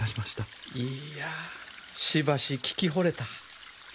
いいやしばし聴きほれた。